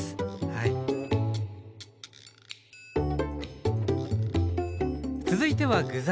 はい続いては具材。